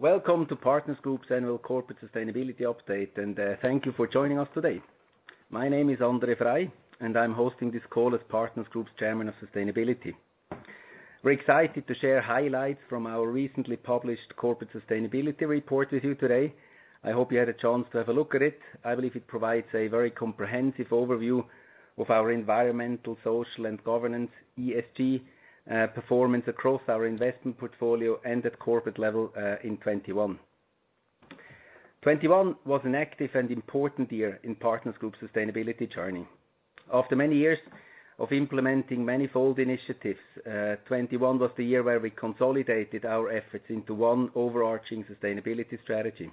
Welcome to Partners Group's annual corporate sustainability update, and thank you for joining us today. My name is André Frei, and I'm hosting this call as Partners Group's Chairman of Sustainability. We're excited to share highlights from our recently published corporate sustainability report with you today. I hope you had a chance to have a look at it. I believe it provides a very comprehensive overview of our environmental, social, and governance ESG performance across our investment portfolio and at corporate level in 2021. 2021 was an active and important year in Partners Group sustainability journey. After many years of implementing many fold initiatives, 2021 was the year where we consolidated our efforts into one overarching sustainability strategy.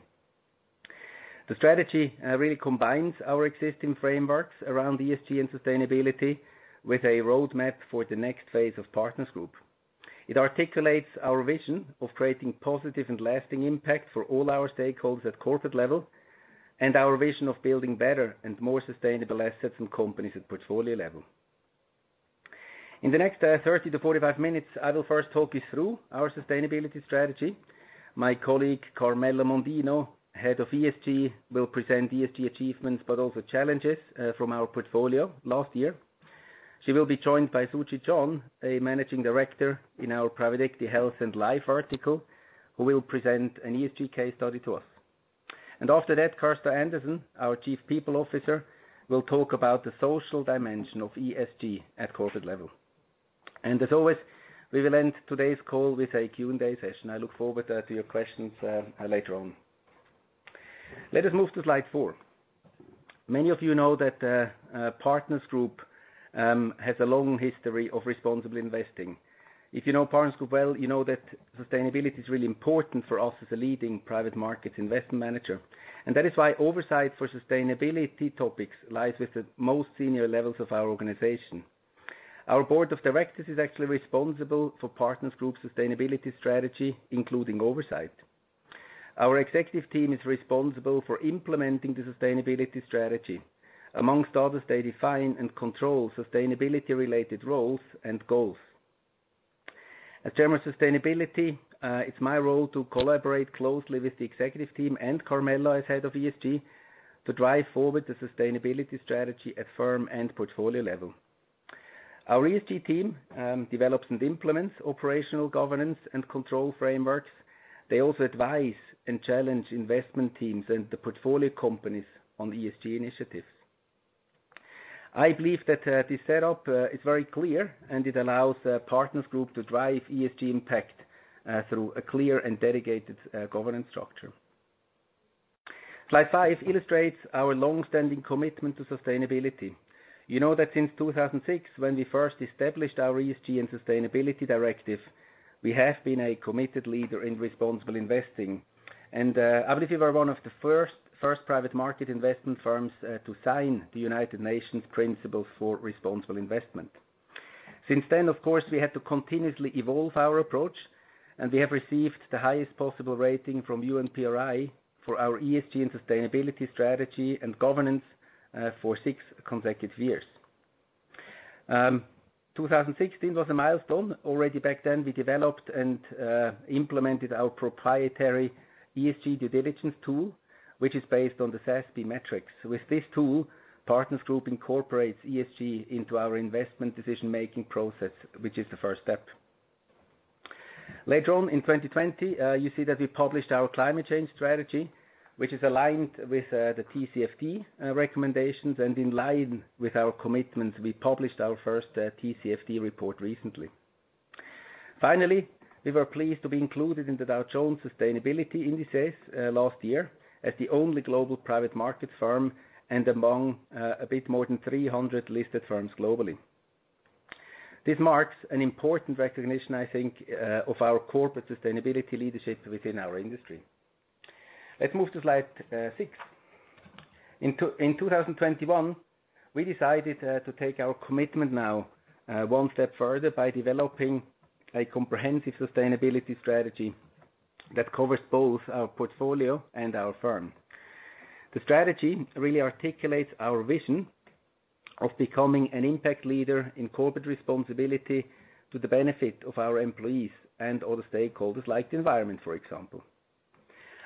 The strategy really combines our existing frameworks around ESG and sustainability with a roadmap for the next phase of Partners Group. It articulates our vision of creating positive and lasting impact for all our stakeholders at corporate level, and our vision of building better and more sustainable assets and companies at portfolio level. In the next 30-45 minutes, I will first talk you through our sustainability strategy. My colleague, Carmela Mondino, Head of ESG, will present ESG achievements, but also challenges from our portfolio last year. She will be joined by Sujit John, a Managing Director in our Private Equity Health & Life vertical, who will present an ESG case study to us. After that, Kirsta Anderson, our Chief People Officer, will talk about the social dimension of ESG at corporate level. As always, we will end today's call with a Q&A session. I look forward to your questions later on. Let us move to slide 4. Many of you know that Partners Group has a long history of responsible investing. If you know Partners Group well, you know that sustainability is really important for us as a leading private markets investment manager. That is why oversight for sustainability topics lies with the most senior levels of our organization. Our board of directors is actually responsible for Partners Group's sustainability strategy, including oversight. Our executive team is responsible for implementing the sustainability strategy. Amongst others, they define and control sustainability related roles and goals. As Chairman of Sustainability, it's my role to collaborate closely with the executive team and Carmela as Head of ESG to drive forward the sustainability strategy at firm and portfolio level. Our ESG team develops and implements operational governance and control frameworks. They also advise and challenge investment teams and the portfolio companies on ESG initiatives. I believe that this setup is very clear, and it allows Partners Group to drive ESG impact through a clear and dedicated governance structure. Slide 5 illustrates our long-standing commitment to sustainability. You know that since 2006, when we first established our ESG and sustainability directive, we have been a committed leader in responsible investing. I believe we were one of the first private market investment firms to sign the United Nations Principles for Responsible Investment. Since then, of course, we had to continuously evolve our approach, and we have received the highest possible rating from UNPRI for our ESG and sustainability strategy and governance for 6 consecutive years. 2016 was a milestone. Already back then, we developed and implemented our proprietary ESG due diligence tool, which is based on the SASB metrics. With this tool, Partners Group incorporates ESG into our investment decision-making process, which is the first step. Later on in 2020, you see that we published our climate change strategy, which is aligned with the TCFD recommendations, and in line with our commitments, we published our first TCFD report recently. Finally, we were pleased to be included in the Dow Jones Sustainability Indices last year as the only global private market firm and among a bit more than 300 listed firms globally. This marks an important recognition, I think, of our corporate sustainability leadership within our industry. Let's move to slide 6. In 2021, we decided to take our commitment now one step further by developing a comprehensive sustainability strategy that covers both our portfolio and our firm. The strategy really articulates our vision of becoming an impact leader in corporate responsibility to the benefit of our employees and other stakeholders like the environment, for example.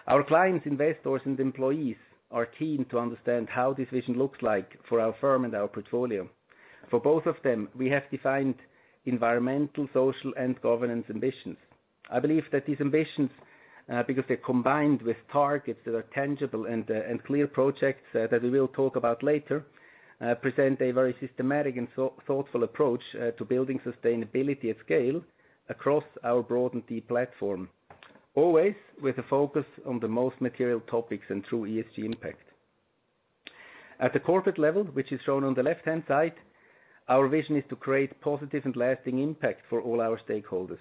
Our clients, investors, and employees are keen to understand how this vision looks like for our firm and our portfolio. For both of them, we have defined environmental, social, and governance ambitions. I believe that these ambitions, because they're combined with targets that are tangible and clear projects, that we will talk about later, present a very systematic and so thoughtful approach, to building sustainability at scale across our broad and deep platform, always with a focus on the most material topics and true ESG impact. At the corporate level, which is shown on the left-hand side, our vision is to create positive and lasting impact for all our stakeholders.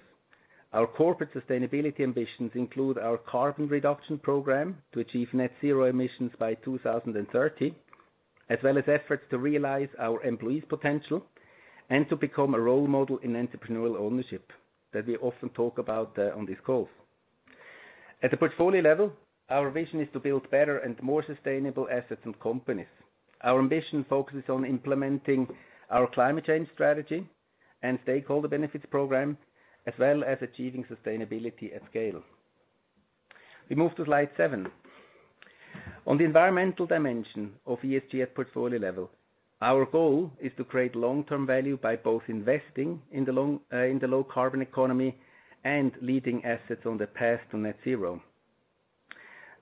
Our corporate sustainability ambitions include our carbon reduction program to achieve net zero emissions by 2030, as well as efforts to realize our employees' potential and to become a role model in entrepreneurial ownership that we often talk about, on these calls. At the portfolio level, our vision is to build better and more sustainable assets and companies. Our ambition focuses on implementing our climate change strategy and Stakeholder Benefits Program, as well as achieving sustainability at scale. We move to slide seven. On the environmental dimension of ESG at portfolio level, our goal is to create long-term value by both investing in the low carbon economy and leading assets on the path to net zero.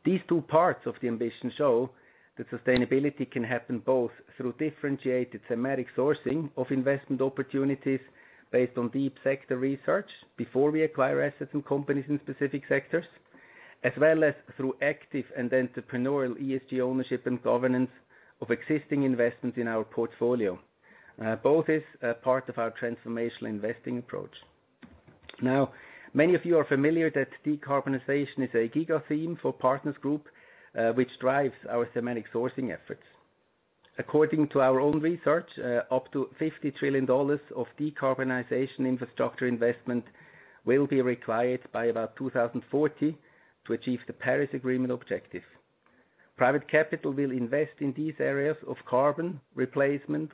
These two parts of the ambition show that sustainability can happen both through differentiated thematic sourcing of investment opportunities based on deep sector research before we acquire assets and companies in specific sectors, as well as through active and entrepreneurial ESG ownership and governance of existing investments in our portfolio. Both is a part of our transformational investing approach. Now, many of you are familiar that decarbonization is a giga theme for Partners Group, which drives our thematic sourcing efforts. According to our own research, up to $50 trillion of decarbonization infrastructure investment will be required by about 2040 to achieve the Paris Agreement objective. Private capital will invest in these areas of carbon replacement,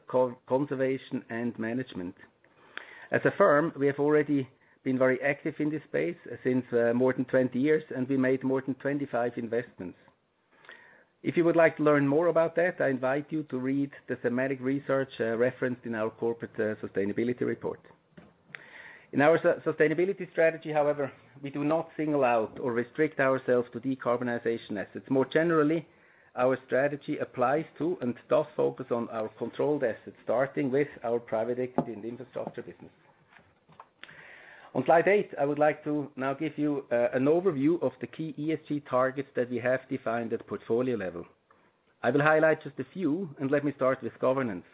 conservation, and management. As a firm, we have already been very active in this space since more than 20 years, and we made more than 25 investments. If you would like to learn more about that, I invite you to read the thematic research referenced in our corporate sustainability report. In our sustainability strategy, however, we do not single out or restrict ourselves to decarbonization assets. More generally, our strategy applies to and does focus on our controlled assets, starting with our private equity and infrastructure business. On slide eight, I would like to now give you an overview of the key ESG targets that we have defined at portfolio level. I will highlight just a few, and let me start with governance.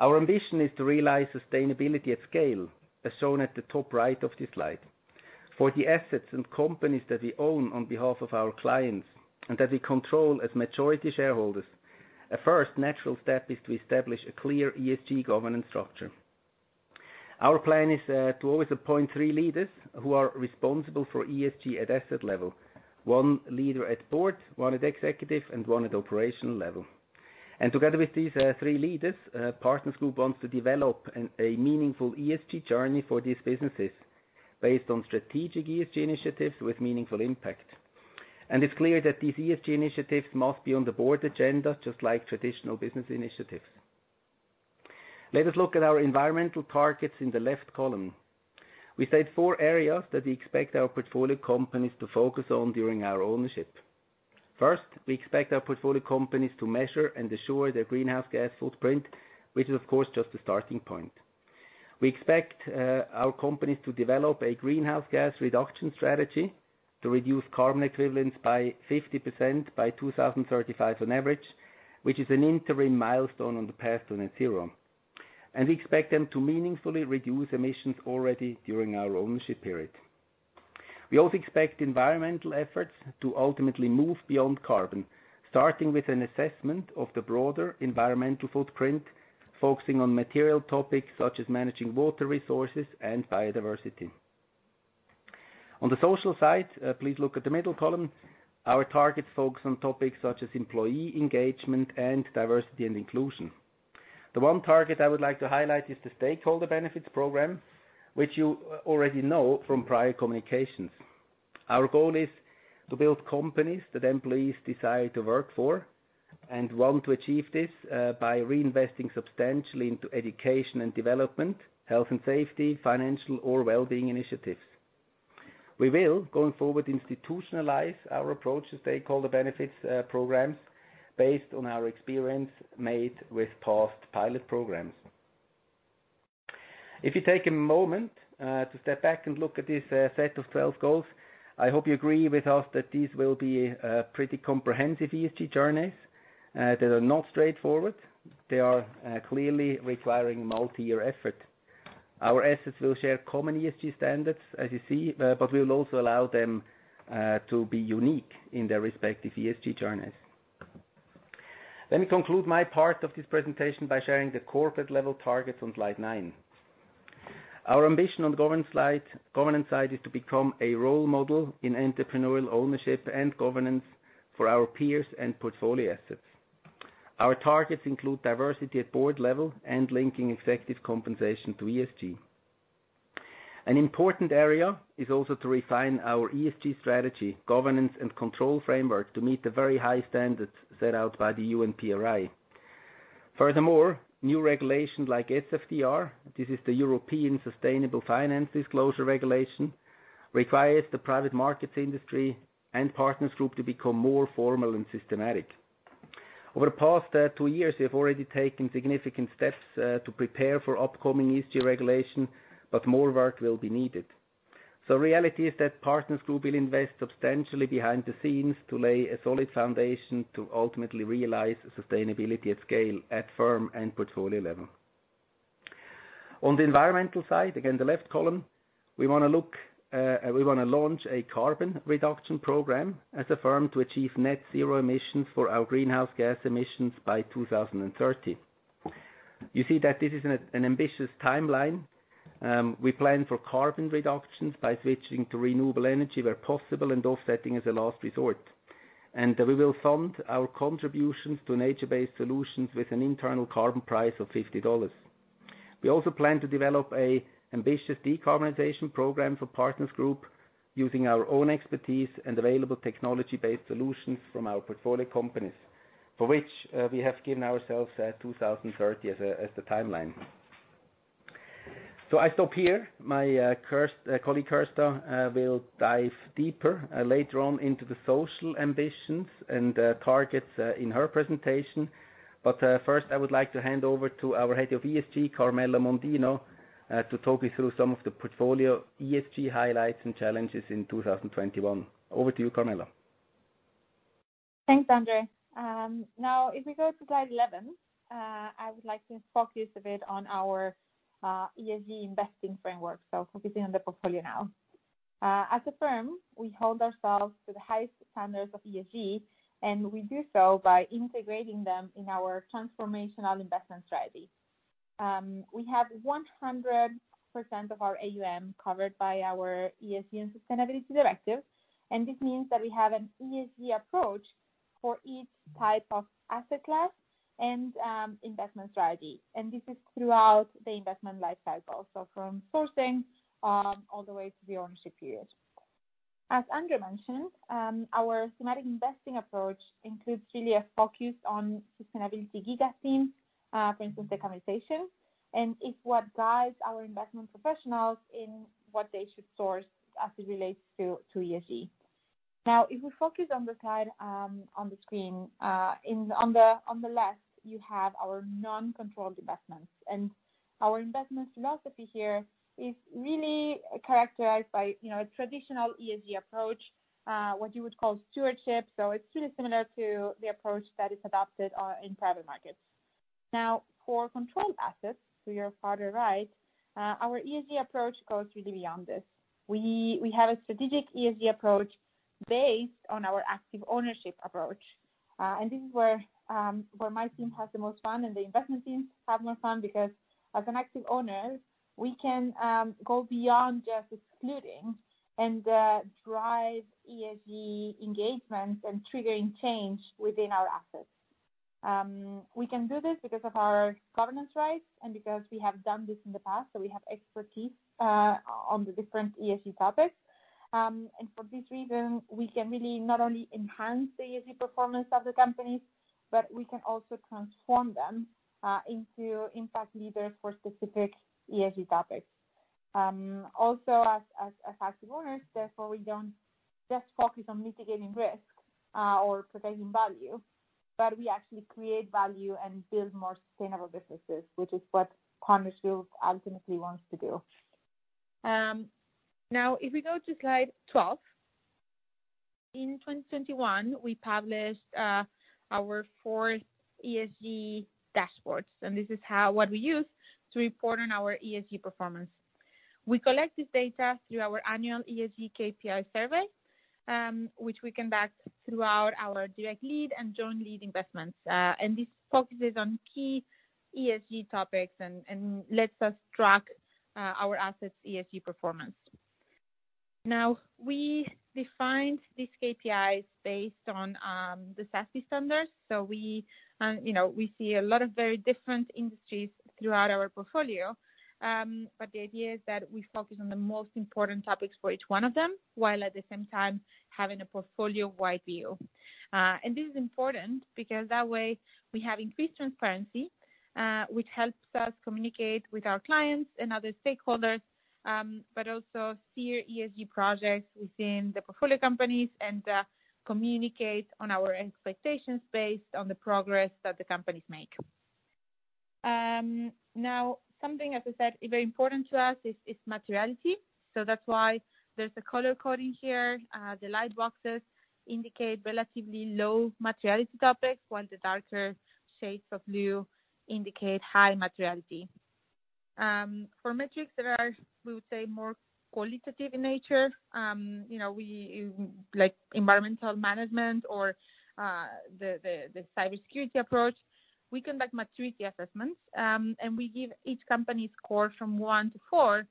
Our ambition is to realize sustainability at scale, as shown at the top right of this slide. For the assets and companies that we own on behalf of our clients and that we control as majority shareholders, a first natural step is to establish a clear ESG governance structure. Our plan is to always appoint three leaders who are responsible for ESG at asset level. One leader at board, one at executive, and one at operational level. Together with these three leaders, Partners Group wants to develop a meaningful ESG journey for these businesses based on strategic ESG initiatives with meaningful impact. It's clear that these ESG initiatives must be on the board agenda, just like traditional business initiatives. Let us look at our environmental targets in the left column. We set four areas that we expect our portfolio companies to focus on during our ownership. First, we expect our portfolio companies to measure and assure their greenhouse gas footprint, which is of course, just a starting point. We expect our companies to develop a greenhouse gas reduction strategy to reduce carbon equivalence by 50% by 2035 on average, which is an interim milestone on the path to net zero. We expect them to meaningfully reduce emissions already during our ownership period. We also expect environmental efforts to ultimately move beyond carbon, starting with an assessment of the broader environmental footprint, focusing on material topics such as managing water resources and biodiversity. On the social side, please look at the middle column. Our targets focus on topics such as employee engagement and diversity and inclusion. The one target I would like to highlight is the Stakeholder Benefits Program, which you already know from prior communications. Our goal is to build companies that employees decide to work for and want to achieve this by reinvesting substantially into education and development, health and safety, financial or well-being initiatives. We will, going forward, institutionalize our approach to Stakeholder Benefits programs based on our experience made with past pilot programs. If you take a moment to step back and look at this set of 12 goals, I hope you agree with us that these will be pretty comprehensive ESG journeys that are not straightforward. They are clearly requiring multi-year effort. Our assets will share common ESG standards as you see, but we will also allow them to be unique in their respective ESG journeys. Let me conclude my part of this presentation by sharing the corporate level targets on slide nine. Our ambition on governance side is to become a role model in entrepreneurial ownership and governance for our peers and portfolio assets. Our targets include diversity at board level and linking effective compensation to ESG. An important area is also to refine our ESG strategy, governance and control framework to meet the very high standards set out by the UNPRI. Furthermore, new regulations like SFDR, this is the European Sustainable Finance Disclosure Regulation, requires the private markets industry and Partners Group to become more formal and systematic. Over the past two years, we have already taken significant steps to prepare for upcoming ESG regulation, but more work will be needed. Reality is that Partners Group will invest substantially behind the scenes to lay a solid foundation to ultimately realize sustainability at scale at firm and portfolio level. On the environmental side, again, the left column, we wanna launch a carbon reduction program as a firm to achieve net zero emissions for our greenhouse gas emissions by 2030. You see that this is an ambitious timeline. We plan for carbon reductions by switching to renewable energy where possible, and offsetting as a last resort. We will fund our contributions to nature-based solutions with an internal carbon price of $50. We also plan to develop an ambitious decarbonization program for Partners Group using our own expertise and available technology-based solutions from our portfolio companies, for which we have given ourselves 2030 as the timeline. I stop here. My colleague, Kirsta, will dive deeper later on into the social ambitions and targets in her presentation. First, I would like to hand over to our Head of ESG, Carmela Mondino, to talk you through some of the portfolio ESG highlights and challenges in 2021. Over to you, Carmela. Thanks, André. Now if we go to slide 11, I would like to focus a bit on our ESG investing framework, so focusing on the portfolio now. As a firm, we hold ourselves to the highest standards of ESG, and we do so by integrating them in our transformational investment strategy. We have 100% of our AUM covered by our ESG and sustainability directive, and this means that we have an ESG approach for each type of asset class and investment strategy. This is throughout the investment life cycle, so from sourcing, all the way to the ownership period. As André mentioned, our thematic investing approach includes really a focus on sustainability giga-theme, for instance, decarbonization, and it's what guides our investment professionals in what they should source as it relates to ESG. Now, if we focus on the slide on the screen, on the left, you have our non-controlled investments. Our investment philosophy here is really characterized by, you know, a traditional ESG approach, what you would call stewardship. It's really similar to the approach that is adopted in private markets. Now, for controlled assets to your farther right, our ESG approach goes really beyond this. We have a strategic ESG approach based on our active ownership approach. This is where my team has the most fun and the investment teams have more fun because as an active owner, we can go beyond just excluding and drive ESG engagement and triggering change within our assets. We can do this because of our governance rights and because we have done this in the past, so we have expertise on the different ESG topics. For this reason, we can really not only enhance the ESG performance of the companies, but we can also transform them into impact leaders for specific ESG topics. Also as active owners, therefore, we don't just focus on mitigating risk or protecting value, but we actually create value and build more sustainable businesses, which is what Partners Group ultimately wants to do. Now if we go to slide 12. In 2021, we published our fourth ESG dashboards, and this is what we use to report on our ESG performance. We collect this data through our annual ESG KPI survey, which we conduct throughout our direct lead and joint lead investments. This focuses on key ESG topics and lets us track our assets' ESG performance. Now, we defined these KPIs based on the SASB standards. We, you know, we see a lot of very different industries throughout our portfolio. The idea is that we focus on the most important topics for each one of them, while at the same time having a portfolio-wide view. This is important because that way we have increased transparency, which helps us communicate with our clients and other stakeholders, but also see ESG projects within the portfolio companies and communicate on our expectations based on the progress that the companies make. Now, something, as I said, is very important to us is materiality. That's why there's a color coding here. The light boxes indicate relatively low materiality topics, while the darker shades of blue indicate high materiality. For metrics that are, we would say, more qualitative in nature, like environmental management or the cybersecurity approach, we conduct maturity assessments, and we give each company a score from 1 to 4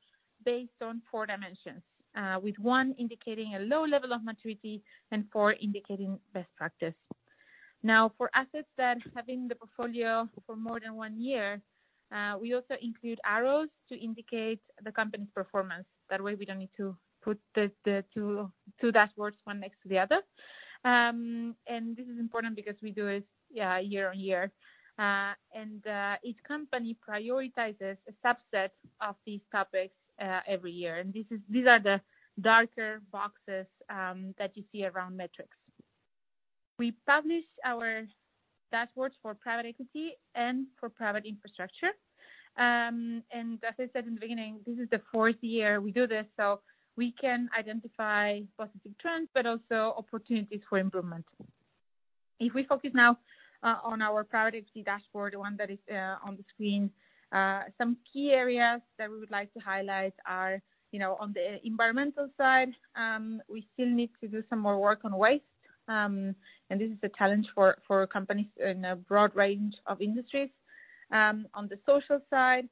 based on 4 dimensions. With 1 indicating a low level of maturity and 4 indicating best practice. Now, for assets that have been in the portfolio for more than 1 year, we also include arrows to indicate the company's performance. That way, we don't need to put the two dashboards, one next to the other. This is important because we do it, yeah, year on year. Each company prioritizes a subset of these topics every year. These are the darker boxes that you see around metrics. We publish our dashboards for private equity and for private infrastructure. As I said in the beginning, this is the fourth year we do this, so we can identify positive trends, but also opportunities for improvement. If we focus now on our private equity dashboard, the one that is on the screen, some key areas that we would like to highlight are, you know, on the environmental side, we still need to do some more work on waste. This is a challenge for companies in a broad range of industries. On the social side,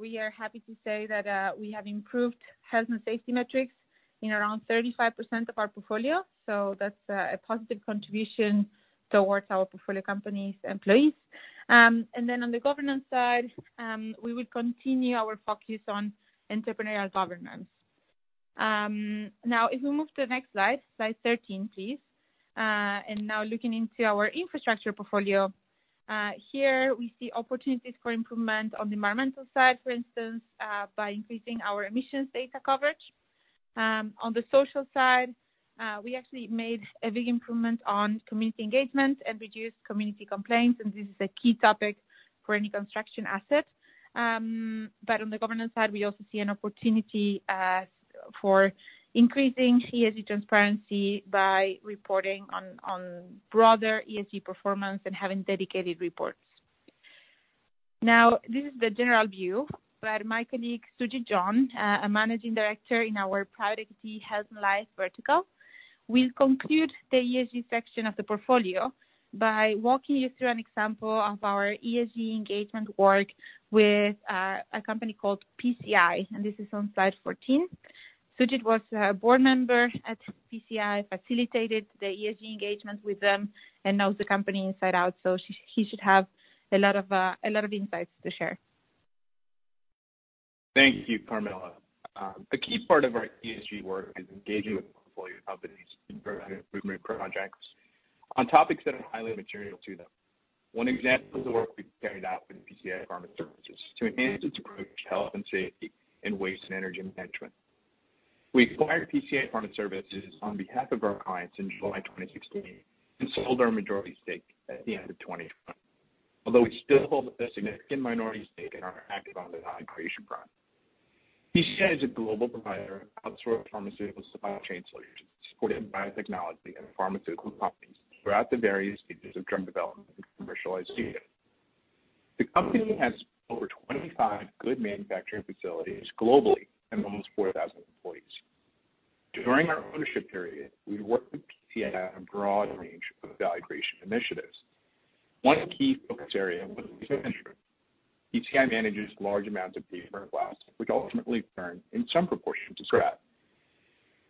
we are happy to say that we have improved health and safety metrics in around 35% of our portfolio. That's a positive contribution towards our portfolio companies' employees. On the governance side, we will continue our focus on entrepreneurial governance. Now if we move to the next slide 13, please. Now looking into our infrastructure portfolio. Here we see opportunities for improvement on the environmental side, for instance, by increasing our emissions data coverage. On the social side, we actually made a big improvement on community engagement and reduced community complaints, and this is a key topic for any construction asset. On the governance side, we also see an opportunity for increasing ESG transparency by reporting on broader ESG performance and having dedicated reports. Now, this is the general view, but my colleague, Sujit John, a managing director in our Private Equity Health & Life vertical, will conclude the ESG section of the portfolio by walking you through an example of our ESG engagement work with a company called PCI, and this is on slide 14. Sujit was a board member at PCI, facilitated the ESG engagement with them, and knows the company inside out. He should have a lot of insights to share. Thank you, Carmela. A key part of our ESG work is engaging with portfolio companies in improvement projects on topics that are highly material to them. One example of the work we carried out with PCI Pharma Services to enhance its approach to health and safety and waste and energy management. We acquired PCI Pharma Services on behalf of our clients in July 2016 and sold our majority stake at the end of 2021. Although we still hold a significant minority stake in our active owner value creation process. PCI is a global provider of outsourced pharmaceutical supply chain solutions supporting biotechnology and pharmaceutical companies throughout the various stages of drug development and commercialization. The company has over 25 good manufacturing facilities globally and almost 4,000 employees. During our ownership period, we worked with PCI on a broad range of value creation initiatives. One key focus area was energy. PCI manages large amounts of paper and glass, which ultimately turn in some proportion to scrap.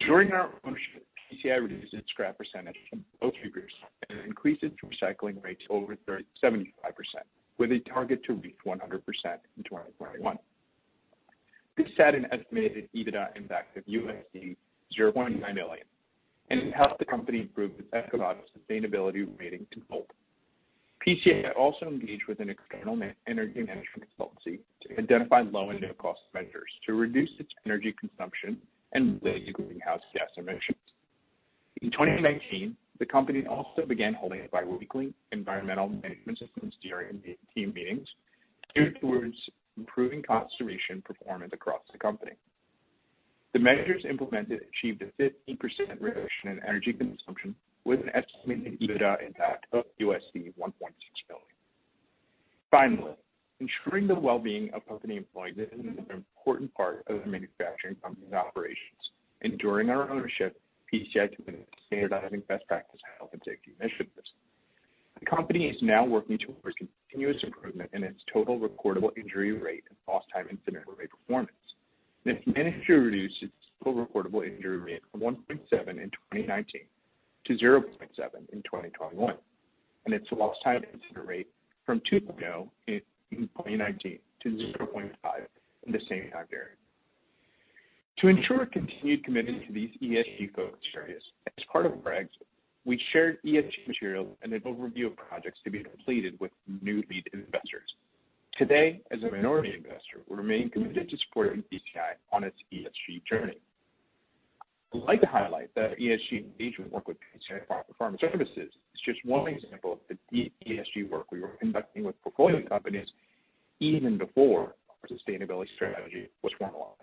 During our ownership, PCI reduced its scrap percentage from low figures and increased its recycling rates over 75%, with a target to reach 100% in 2021. This had an estimated EBITDA impact of $0.9 million, and it helped the company improve its ecological sustainability rating to gold. PCI also engaged with an external energy management consultancy to identify low and no cost measures to reduce its energy consumption and reduce greenhouse gas emissions. In 2019, the company also began holding biweekly environmental management systems during team meetings geared towards improving conservation performance across the company. The measures implemented achieved a 15% reduction in energy consumption, with an estimated EBITDA impact of $1.6 million. Finally, ensuring the well-being of company employees is an important part of the manufacturing company's operations. During our ownership, PCI committed to standardizing best practice in health and safety initiatives. The company is now working towards continuous improvement in its total recordable injury rate and lost time incident rate performance. It's managed to reduce its total recordable injury rate from 1.7 in 2019 to 0.7 in 2021, and its lost time incident rate from 2.0 in 2019 to 0.5 in the same time period. To ensure a continued commitment to these ESG focus areas, as part of our exit, we shared ESG material and an overview of projects to be completed with new lead investors. Today, as a minority investor, we remain committed to supporting PCI on its ESG journey. I'd like to highlight that our ESG engagement work with PCI Pharma Services is just one example of the deep ESG work we were conducting with portfolio companies even before our sustainability strategy was formalized.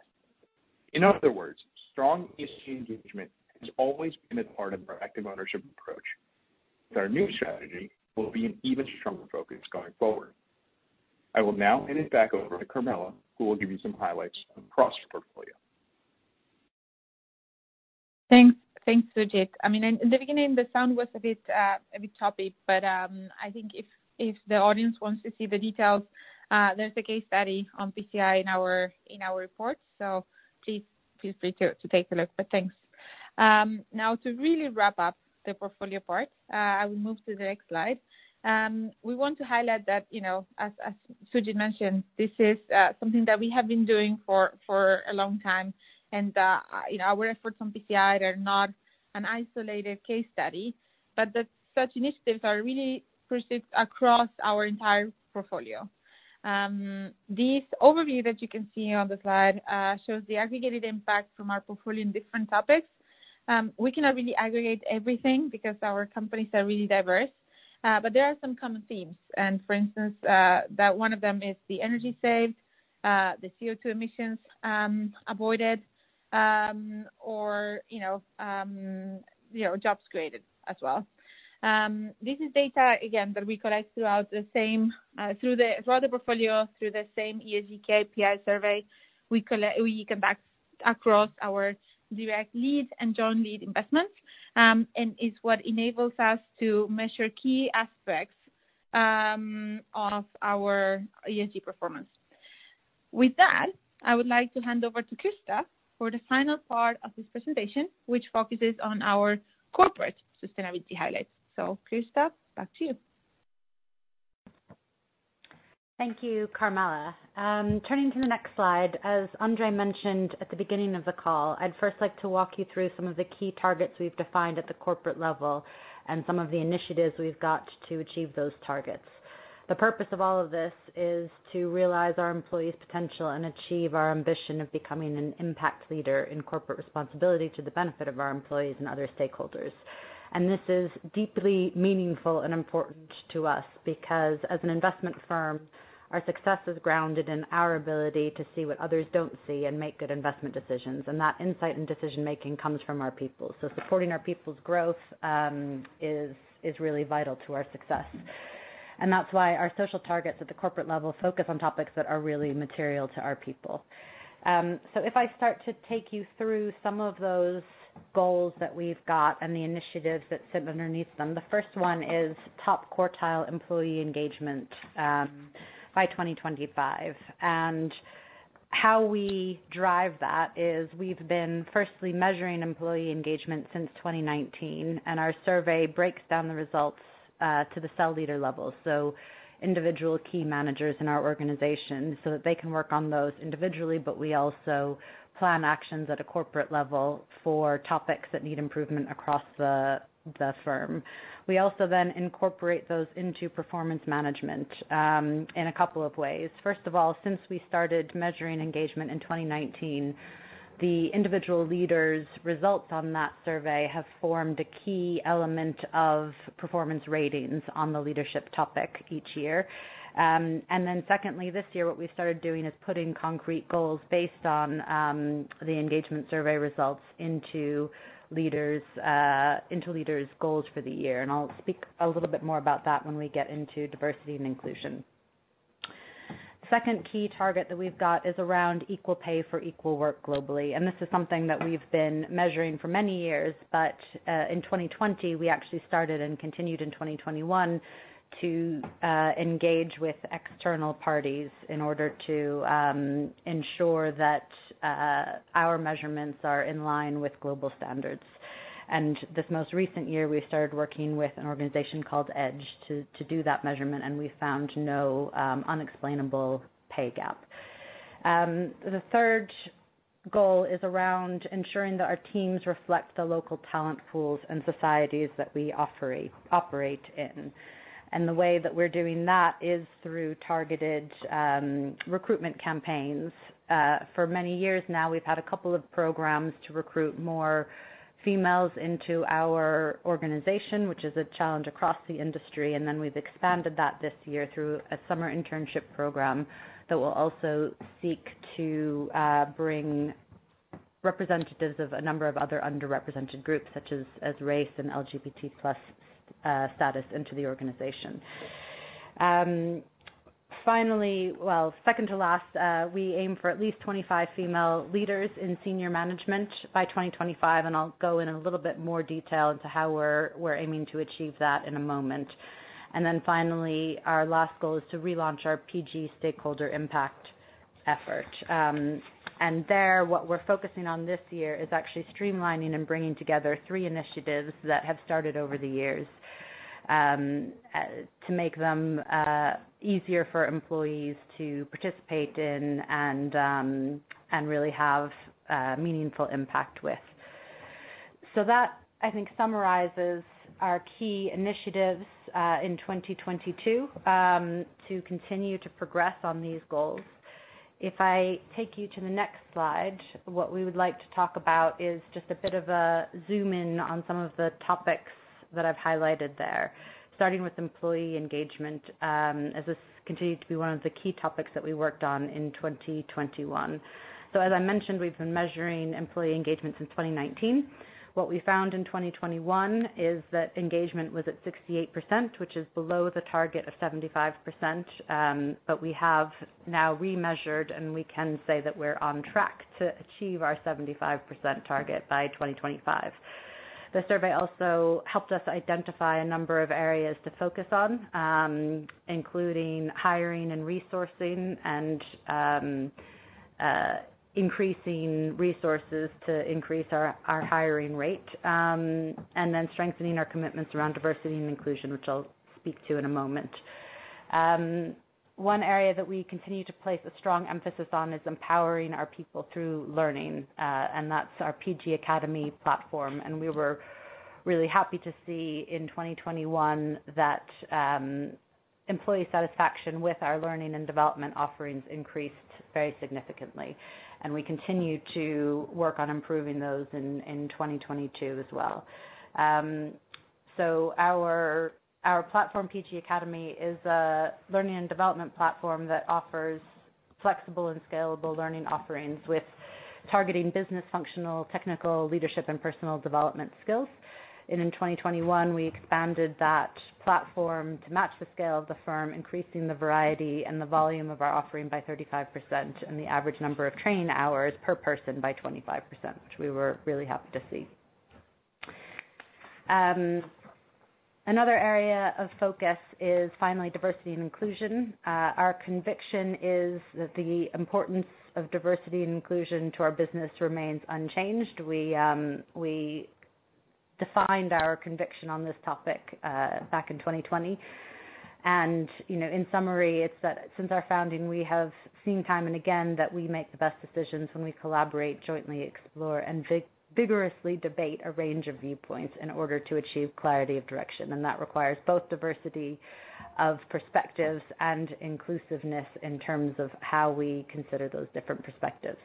In other words, strong ESG engagement has always been a part of our active ownership approach. With our new strategy, we'll be an even stronger focus going forward. I will now hand it back over to Carmela, who will give you some highlights across the portfolio. Thanks. Thanks, Sujit. I mean, in the beginning, the sound was a bit choppy, but I think if the audience wants to see the details, there's a case study on PCI in our report, so please feel free to take a look. But thanks. Now to really wrap up the portfolio part, I will move to the next slide. We want to highlight that, you know, as Sujit mentioned, this is something that we have been doing for a long time. You know, our efforts on PCI are not an isolated case study, but that such initiatives are really persistent across our entire portfolio. This overview that you can see on the slide shows the aggregated impact from our portfolio in different topics. We cannot really aggregate everything because our companies are really diverse. There are some common themes. For instance, one of them is the energy saved, the CO2 emissions avoided, or you know, jobs created as well. This is data again that we collect throughout the portfolio, through the same ESG KPI survey we conduct across our direct lead and joint lead investments. It's what enables us to measure key aspects of our ESG performance. With that, I would like to hand over to Kirsta for the final part of this presentation, which focuses on our corporate sustainability highlights. Kirsta, back to you. Thank you, Carmela. Turning to the next slide, as André mentioned at the beginning of the call, I'd first like to walk you through some of the key targets we've defined at the corporate level and some of the initiatives we've got to achieve those targets. The purpose of all of this is to realize our employees' potential and achieve our ambition of becoming an impact leader in corporate responsibility to the benefit of our employees and other stakeholders. This is deeply meaningful and important to us because as an investment firm, our success is grounded in our ability to see what others don't see and make good investment decisions. That insight and decision-making comes from our people. Supporting our people's growth is really vital to our success. That's why our social targets at the corporate level focus on topics that are really material to our people. If I start to take you through some of those goals that we've got and the initiatives that sit underneath them, the first one is top quartile employee engagement by 2025. How we drive that is we've been firstly measuring employee engagement since 2019, and our survey breaks down the results to the C-level, so individual key managers in our organization, so that they can work on those individually, but we also plan actions at a corporate level for topics that need improvement across the firm. We also then incorporate those into performance management in a couple of ways. First of all, since we started measuring engagement in 2019, the individual leaders' results on that survey have formed a key element of performance ratings on the leadership topic each year. Secondly, this year, what we started doing is putting concrete goals based on the engagement survey results into leaders' goals for the year. I'll speak a little bit more about that when we get into diversity and inclusion. Second key target that we've got is around equal pay for equal work globally. This is something that we've been measuring for many years, but in 2020, we actually started and continued in 2021 to engage with external parties in order to ensure that our measurements are in line with global standards. This most recent year, we started working with an organization called EDGE to do that measurement, and we found no unexplainable pay gap. The third goal is around ensuring that our teams reflect the local talent pools and societies that we operate in. The way that we're doing that is through targeted recruitment campaigns. For many years now, we've had a couple of programs to recruit more females into our organization, which is a challenge across the industry. Then we've expanded that this year through a summer internship program that will also seek to bring representatives of a number of other underrepresented groups such as race and LGBT plus status into the organization. Finally, well, second to last, we aim for at least 25 female leaders in senior management by 2025, and I'll go in a little bit more detail into how we're aiming to achieve that in a moment. Finally, our last goal is to relaunch our PG Stakeholder Impact effort. There, what we're focusing on this year is actually streamlining and bringing together three initiatives that have started over the years to make them easier for employees to participate in and really have a meaningful impact with. That, I think, summarizes our key initiatives in 2022 to continue to progress on these goals. If I take you to the next slide, what we would like to talk about is just a bit of a zoom in on some of the topics that I've highlighted there, starting with employee engagement, as this continued to be one of the key topics that we worked on in 2021. As I mentioned, we've been measuring employee engagement since 2019. What we found in 2021 is that engagement was at 68%, which is below the target of 75%. We have now remeasured, and we can say that we're on track to achieve our 75% target by 2025. The survey also helped us identify a number of areas to focus on, including hiring and resourcing, and increasing resources to increase our hiring rate, and then strengthening our commitments around diversity and inclusion, which I'll speak to in a moment. One area that we continue to place a strong emphasis on is empowering our people through learning, and that's our PG Academy platform. We were really happy to see in 2021 that employee satisfaction with our learning and development offerings increased very significantly, and we continue to work on improving those in 2022 as well. Our platform, PG Academy, is a learning and development platform that offers flexible and scalable learning offerings with targeting business functional, technical, leadership, and personal development skills. In 2021, we expanded that platform to match the scale of the firm, increasing the variety and the volume of our offering by 35% and the average number of training hours per person by 25%, which we were really happy to see. Another area of focus is finally diversity and inclusion. Our conviction is that the importance of diversity and inclusion to our business remains unchanged. We defined our conviction on this topic back in 2020. You know, in summary, it's that since our founding, we have seen time and again that we make the best decisions when we collaborate, jointly, explore, and vigorously debate a range of viewpoints in order to achieve clarity of direction. That requires both diversity of perspectives and inclusiveness in terms of how we consider those different perspectives.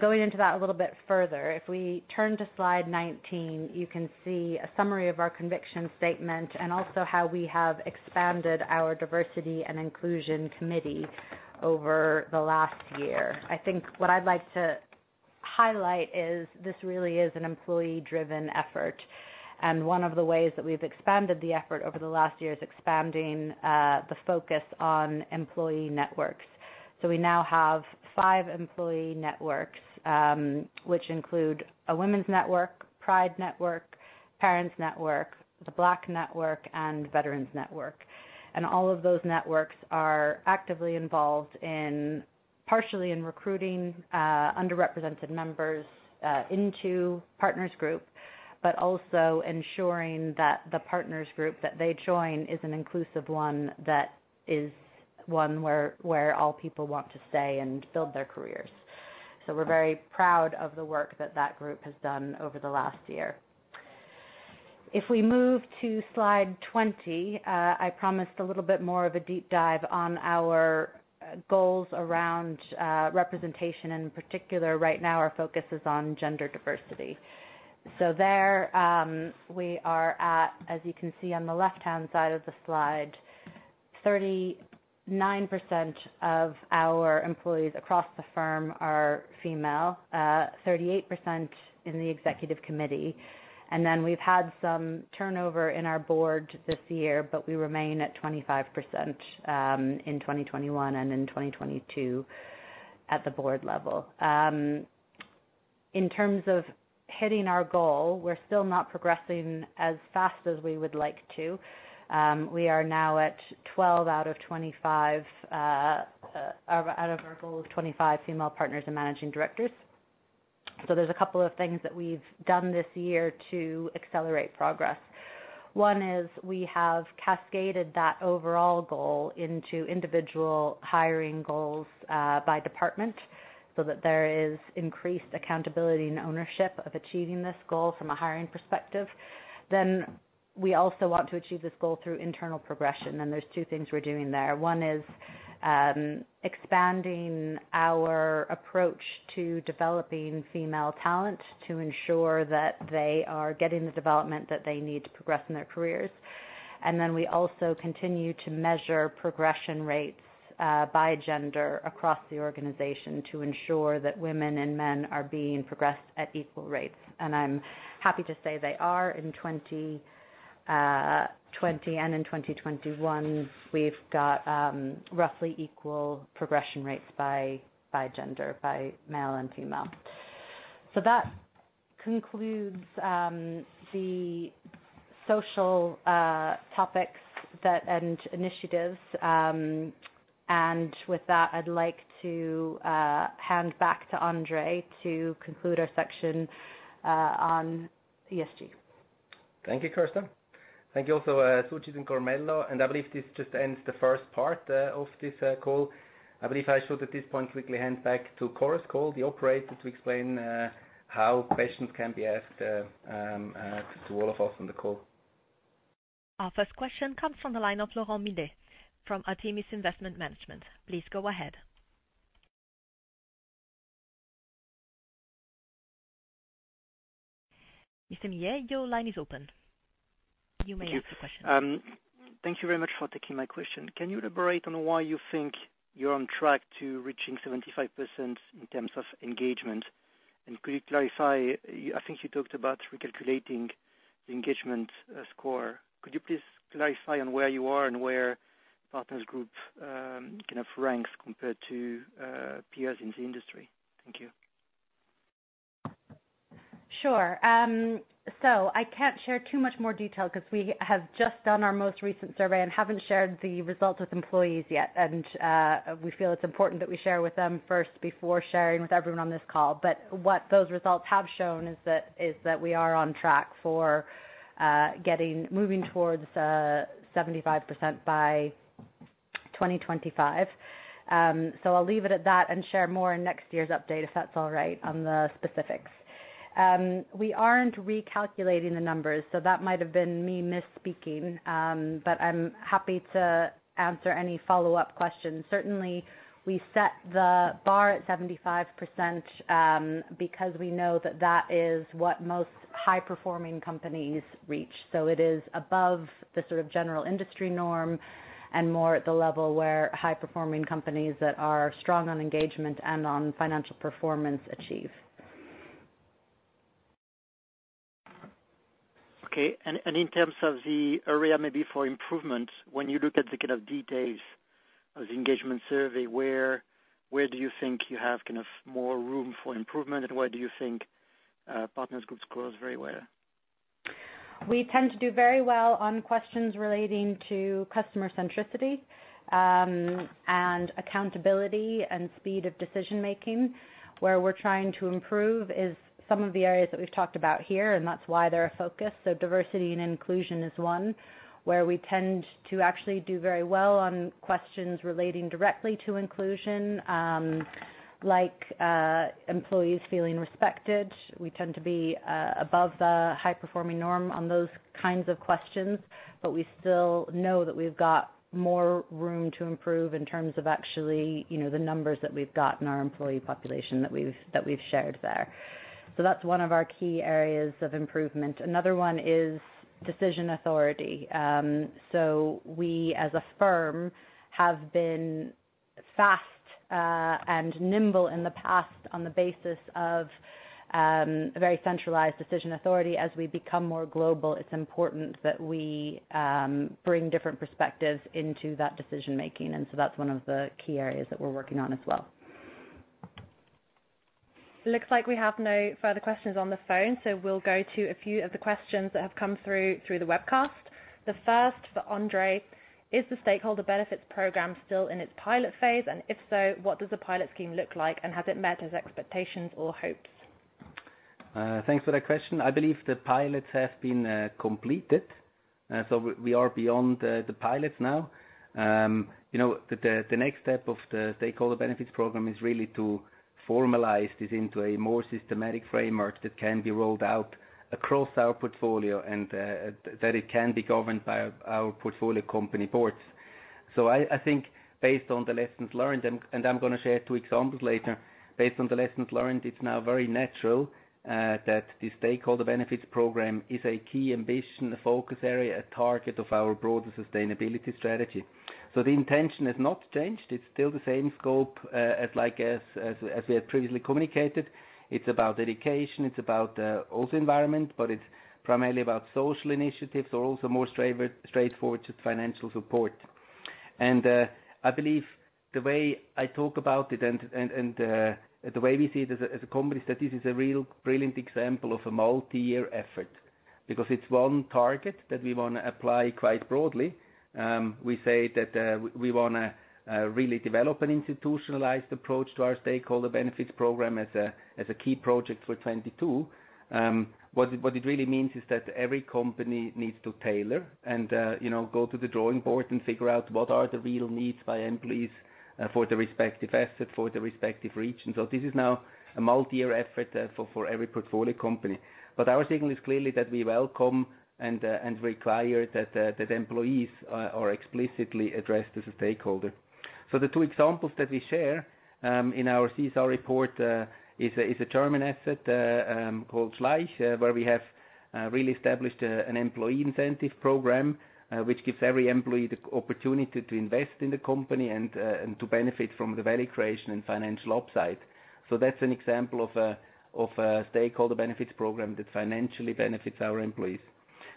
Going into that a little bit further, if we turn to slide 19, you can see a summary of our conviction statement and also how we have expanded our diversity and inclusion committee over the last year. I think what I'd like to highlight is this really is an employee-driven effort. One of the ways that we've expanded the effort over the last year is expanding the focus on employee networks. We now have five employee networks, which include a women's network, pride network, parents network, The Black Network, and veterans network. All of those networks are actively involved in partially in recruiting underrepresented members into Partners Group, but also ensuring that the Partners Group that they join is an inclusive one that is one where all people want to stay and build their careers. We're very proud of the work that group has done over the last year. If we move to slide 20, I promised a little bit more of a deep dive on our goals around representation. In particular, right now our focus is on gender diversity. We are at, as you can see on the left-hand side of the slide, 39% of our employees across the firm are female, 38% in the executive committee. We've had some turnover in our board this year, but we remain at 25%, in 2021 and in 2022 at the board level. In terms of hitting our goal, we're still not progressing as fast as we would like to. We are now at 12 out of 25. Out of our goal of 25 female partners and managing directors. There's a couple of things that we've done this year to accelerate progress. One is we have cascaded that overall goal into individual hiring goals, by department, so that there is increased accountability and ownership of achieving this goal from a hiring perspective. We also want to achieve this goal through internal progression, and there's two things we're doing there. One is expanding our approach to developing female talent to ensure that they are getting the development that they need to progress in their careers. We also continue to measure progression rates, by gender across the organization to ensure that women and men are being progressed at equal rates. I'm happy to say they are in 2020. In 2021, we've got roughly equal progression rates by gender, by male and female. That concludes the social topics and initiatives. With that, I'd like to hand back to André to conclude our section on ESG. Thank you, Kirsta. Thank you also, Sujit and Carmela. I believe this just ends the first part of this call. I believe I should, at this point, quickly hand back to Chorus Call, the operator, to explain how questions can be asked to all of us on the call. Our first question comes from the line of Laurent Millet from Artemis Investment Management. Please go ahead. Mr. Millet, your line is open. You may ask your question. Thank you. Thank you very much for taking my question. Can you elaborate on why you think you're on track to reaching 75% in terms of engagement? Could you clarify, I think you talked about recalculating the engagement score. Could you please clarify on where you are and where Partners Group kind of ranks compared to peers in the industry? Thank you. Sure. I can't share too much more detail because we have just done our most recent survey and haven't shared the results with employees yet. We feel it's important that we share with them first before sharing with everyone on this call. What those results have shown is that we are on track for moving towards 75% by 2025. I'll leave it at that and share more in next year's update, if that's all right, on the specifics. We aren't recalculating the numbers, so that might have been me misspeaking. I'm happy to answer any follow-up questions. Certainly, we set the bar at 75%, because we know that is what most high-performing companies reach. It is above the sort of general industry norm and more at the level where high-performing companies that are strong on engagement and on financial performance achieve. Okay. In terms of the area maybe for improvement, when you look at the kind of details of the engagement survey, where do you think you have kind of more room for improvement and where do you think Partners Group scores very well? We tend to do very well on questions relating to customer centricity, and accountability and speed of decision making. Where we're trying to improve is some of the areas that we've talked about here, and that's why they're a focus. Diversity and inclusion is one. Where we tend to actually do very well on questions relating directly to inclusion, like, employees feeling respected. We tend to be above the high performing norm on those kinds of questions, but we still know that we've got more room to improve in terms of actually, you know, the numbers that we've got in our employee population that we've shared there. That's one of our key areas of improvement. Another one is decision authority. We as a firm have been fast and nimble in the past on the basis of a very centralized decision authority. As we become more global, it's important that we bring different perspectives into that decision making. That's one of the key areas that we're working on as well. Looks like we have no further questions on the phone, so we'll go to a few of the questions that have come through through the webcast. The first for André, is the Stakeholder Benefits Program still in its pilot phase? And if so, what does the pilot scheme look like and has it met his expectations or hopes? Thanks for that question. I believe the pilots have been completed, so we are beyond the pilots now. You know, the next step of the Stakeholder Benefits Program is really to formalize this into a more systematic framework that can be rolled out across our portfolio and that it can be governed by our portfolio company boards. I think based on the lessons learned, and I'm gonna share two examples later. Based on the lessons learned, it's now very natural that the Stakeholder Benefits Program is a key ambition, a focus area, a target of our broader sustainability strategy. The intention has not changed. It's still the same scope, as like as we have previously communicated. It's about education. It's about also environment, but it's primarily about social initiatives or also more straightforward to financial support. I believe the way I talk about it and the way we see it as a company is that this is a real brilliant example of a multi-year effort because it's one target that we wanna apply quite broadly. We say that we wanna really develop an institutionalized approach to our Stakeholder Benefits Program as a key project for 2022. What it really means is that every company needs to tailor and you know, go to the drawing board and figure out what are the real needs by employees for the respective asset, for the respective region. This is now a multi-year effort for every portfolio company. Our signal is clearly that we welcome and require that employees are explicitly addressed as a stakeholder. The two examples that we share in our CSR report is a German asset called Schleich where we have really established an employee incentive program which gives every employee the opportunity to invest in the company and to benefit from the value creation and financial upside. That's an example of a Stakeholder Benefits Program that financially benefits our employees.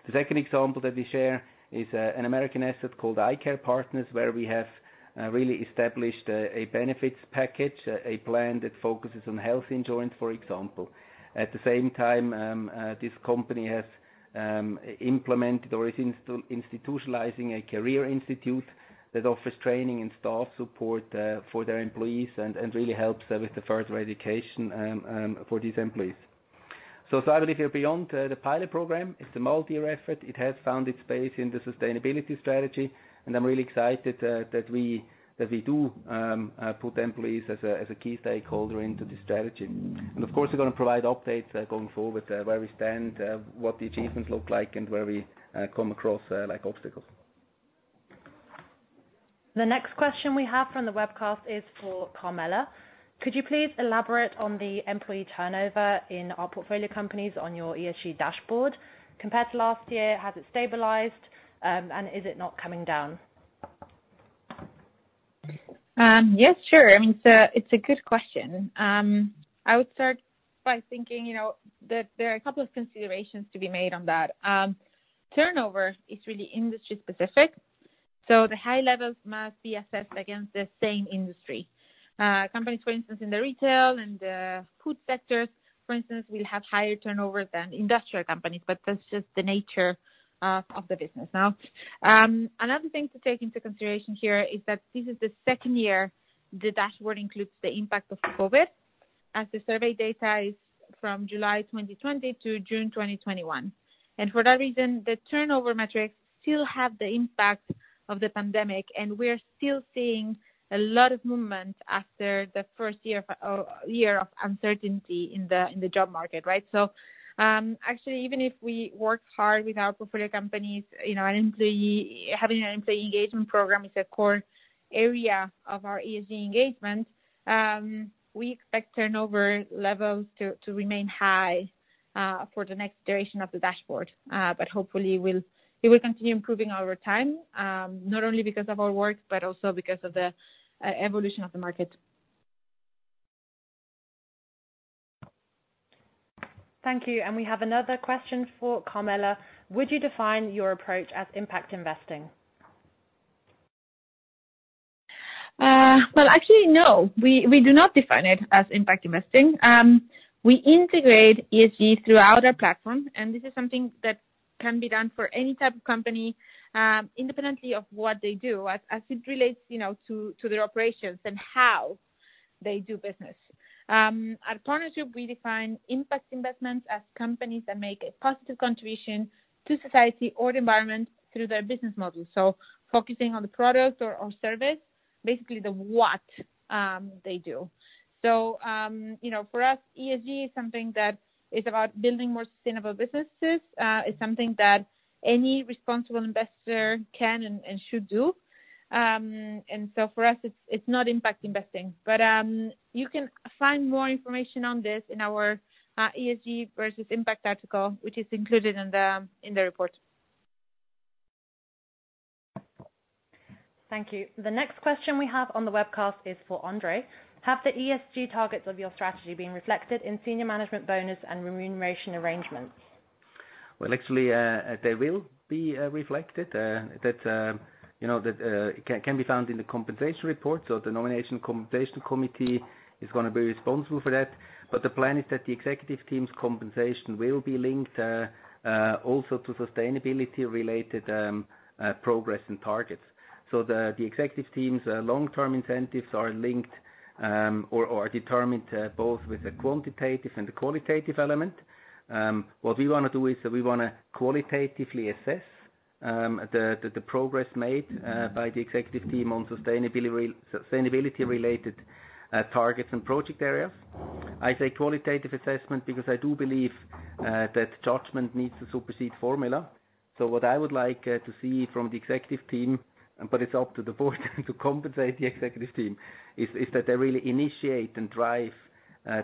The second example that we share is an American asset called EyeCare Partners where we have really established a benefits package a plan that focuses on health insurance, for example. At the same time, this company has implemented or is institutionalizing a career institute that offers training and staff support for their employees and really helps them with the further education for these employees. I believe we are beyond the pilot program. It's a multi-year effort. It has found its base in the sustainability strategy, and I'm really excited that we do put employees as a key stakeholder into the strategy. Of course, we're gonna provide updates going forward where we stand, what the achievements look like and where we come across like obstacles. The next question we have from the webcast is for Carmela. Could you please elaborate on the employee turnover in our portfolio companies on your ESG dashboard? Compared to last year, has it stabilized? Is it not coming down? Yes, sure. I mean, it's a good question. I would start by thinking, you know, that there are a couple of considerations to be made on that. Turnover is really industry specific, so the high levels must be assessed against the same industry. Companies, for instance, in the retail and food sectors, for instance, will have higher turnover than industrial companies, but that's just the nature of the business. Now, another thing to take into consideration here is that this is the second year the dashboard includes the impact of COVID, as the survey data is from July 2020 to June 2021. For that reason, the turnover metrics still have the impact of the pandemic, and we are still seeing a lot of movement after the first year of uncertainty in the job market, right? Actually, even if we work hard with our portfolio companies, you know, having an employee engagement program is a core area of our ESG engagement. We expect turnover levels to remain high for the next duration of the dashboard. But hopefully it will continue improving over time, not only because of our work, but also because of the evolution of the market. Thank you. We have another question for Carmela. Would you define your approach as impact investing? Well, actually, no, we do not define it as impact investing. We integrate ESG throughout our platform, and this is something that can be done for any type of company, independently of what they do as it relates, you know, to their operations and how they do business. At Partners Group, we define impact investments as companies that make a positive contribution to society or the environment through their business model, so focusing on the product or service, basically the what they do. You know, for us, ESG is something that is about building more sustainable businesses, is something that any responsible investor can and should do. For us, it's not impact investing, but you can find more information on this in our ESG versus impact vertical, which is included in the report. Thank you. The next question we have on the webcast is for André. Have the ESG targets of your strategy been reflected in senior management bonus and remuneration arrangements? Well, actually, they will be reflected that you know that can be found in the compensation report. The Nomination Compensation Committee is gonna be responsible for that. The plan is that the executive team's compensation will be linked also to sustainability-related progress and targets. The executive team's long-term incentives are linked or are determined both with a quantitative and a qualitative element. What we wanna do is we wanna qualitatively assess the progress made by the executive team on sustainability-related targets and project areas. I say qualitative assessment because I do believe that judgment needs to supersede formula. What I would like to see from the executive team, but it's up to the board to compensate the executive team, is that they really initiate and drive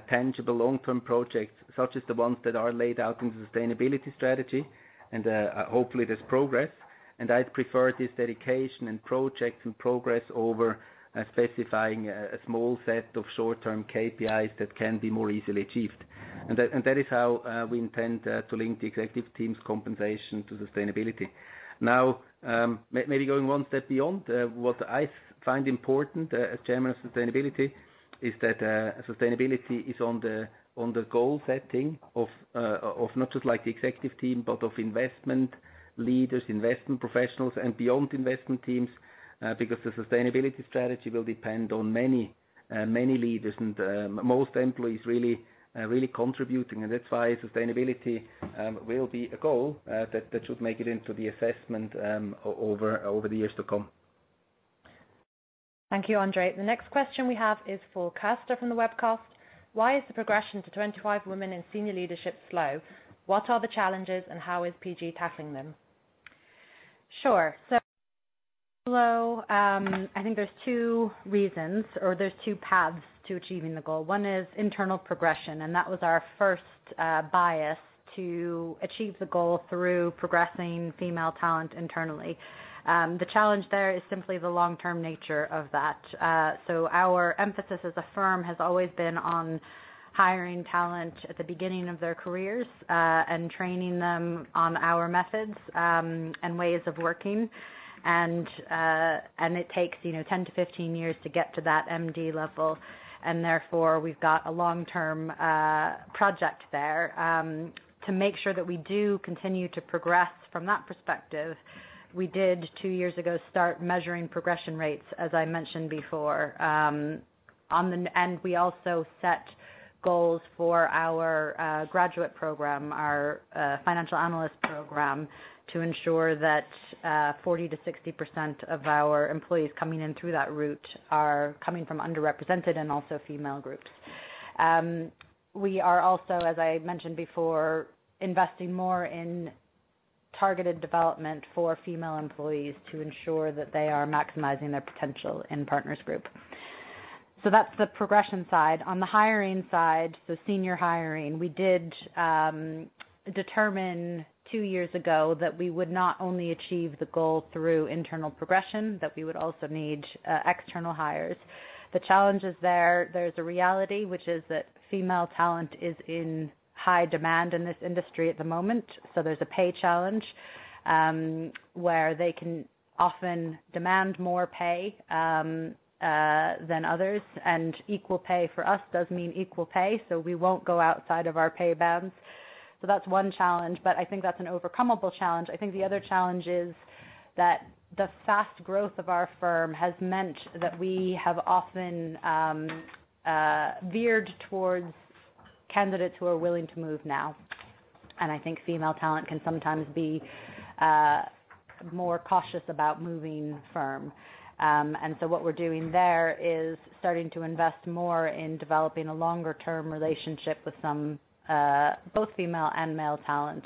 tangible long-term projects such as the ones that are laid out in sustainability strategy. Hopefully there's progress. I'd prefer this dedication and project and progress over specifying a small set of short-term KPIs that can be more easily achieved. That is how we intend to link the executive team's compensation to sustainability. Maybe going one step beyond, what I find important as Chairman of Sustainability is that sustainability is on the goal setting of not just like the executive team, but of investment leaders, investment professionals, and beyond investment teams, because the sustainability strategy will depend on many leaders and most employees really contributing. That's why sustainability will be a goal that should make it into the assessment over the years to come. Thank you, André. The next question we have is for Kirsta from the webcast. Why is the progression to 25 women in senior leadership slow? What are the challenges and how is PG tackling them? Sure. Slow, I think there's 2 reasons or there's 2 paths to achieving the goal. One is internal progression, and that was our first bias to achieve the goal through progressing female talent internally. The challenge there is simply the long-term nature of that. Our emphasis as a firm has always been on hiring talent at the beginning of their careers, and training them on our methods, and ways of working. It takes, you know, 10-15 years to get to that MD level, and therefore, we've got a long-term project there. To make sure that we do continue to progress from that perspective, we did 2 years ago start measuring progression rates, as I mentioned before. On the... We also set goals for our graduate program, our financial analyst program, to ensure that 40%-60% of our employees coming in through that route are coming from underrepresented and also female groups. We are also, as I mentioned before, investing more in targeted development for female employees to ensure that they are maximizing their potential in Partners Group. That's the progression side. On the hiring side, senior hiring, we did determine two years ago that we would not only achieve the goal through internal progression, that we would also need external hires. The challenges there's a reality which is that female talent is in high demand in this industry at the moment. There's a pay challenge, where they can often demand more pay than others, and equal pay for us does mean equal pay, so we won't go outside of our pay bands. That's one challenge, but I think that's an overcomable challenge. I think the other challenge is that the fast growth of our firm has meant that we have often veered towards candidates who are willing to move now. I think female talent can sometimes be more cautious about moving firm. What we're doing there is starting to invest more in developing a longer-term relationship with some both female and male talent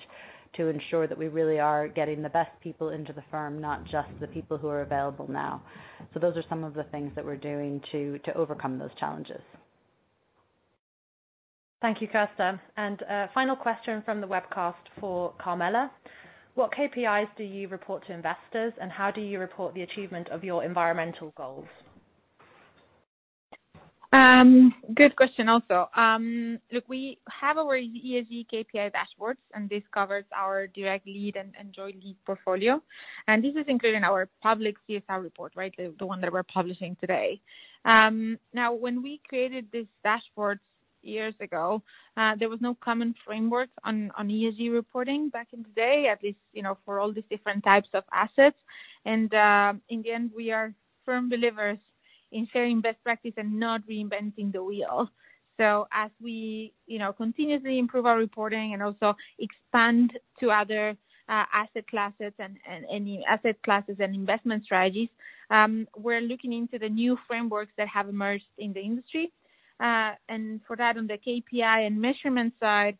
to ensure that we really are getting the best people into the firm, not just the people who are available now. Those are some of the things that we're doing to overcome those challenges. Thank you, Kirsta. A final question from the webcast for Carmela. What KPIs do you report to investors, and how do you report the achievement of your environmental goals? Good question also. Look, we have our ESG KPI dashboards, and this covers our direct lead and joint lead portfolio. This is included in our public CSR report, right? The one that we're publishing today. Now when we created these dashboards years ago, there was no common framework on ESG reporting back in the day, at least, you know, for all these different types of assets. In the end, we are firm believers in sharing best practice and not reinventing the wheel. As we, you know, continuously improve our reporting and also expand to other asset classes and investment strategies, we're looking into the new frameworks that have emerged in the industry. For that, on the KPI and measurement side,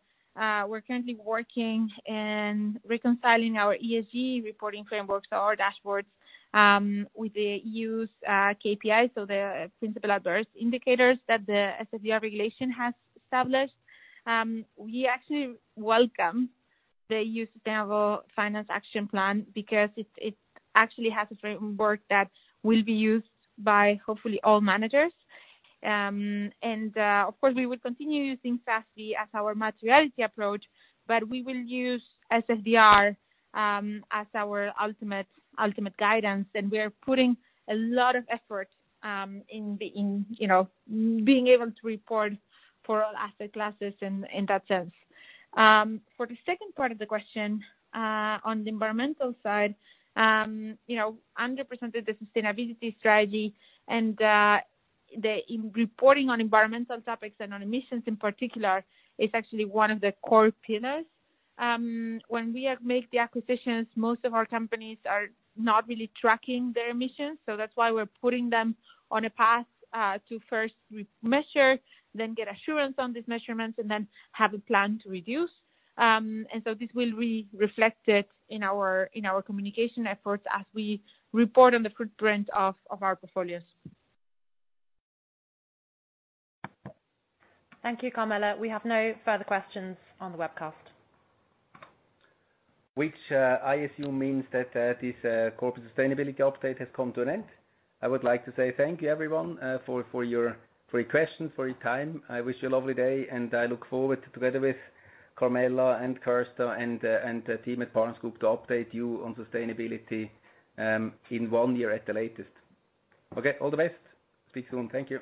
we're currently working on reconciling our ESG reporting frameworks or our dashboards with the EU's KPI, so the Principal Adverse Impacts that the SFDR regulation has established. We actually welcome the EU Sustainable Finance Action Plan because it actually has a framework that will be used by hopefully all managers. Of course, we will continue using SASB as our materiality approach, but we will use SFDR as our ultimate guidance, and we are putting a lot of effort into you know, being able to report for all asset classes in that sense. For the second part of the question, on the environmental side, you know, 100% of the sustainability strategy and in reporting on environmental topics and on emissions in particular is actually one of the core pillars. When we have made the acquisitions, most of our companies are not really tracking their emissions. That's why we're putting them on a path to first re-measure, then get assurance on these measurements and then have a plan to reduce. This will be reflected in our communication efforts as we report on the footprint of our portfolios. Thank you, Carmela. We have no further questions on the webcast. Which, I assume means that, this corporate sustainability update has come to an end. I would like to say thank you, everyone, for your questions, for your time. I wish you a lovely day, and I look forward together with Carmela and Kirsta and the team at Partners Group to update you on sustainability, in one year at the latest. Okay, all the best. Speak soon. Thank you.